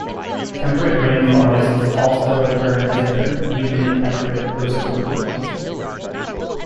Temperate rain forests also occur in certain humid temperate coastal regions.